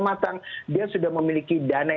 matang dia sudah memiliki dana